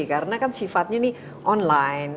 karena kan sifatnya ini online